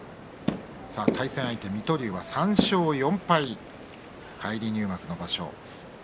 対戦相手は水戸龍３勝４敗返り入幕の場所